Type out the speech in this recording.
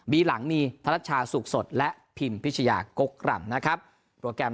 หลังมีธนัชชาสุขสดและพิมพิชยากกรำนะครับโปรแกรม